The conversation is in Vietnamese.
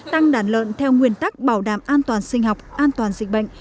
tăng đàn lợn theo nguyên tắc bảo đảm an toàn sinh học an toàn dịch bệnh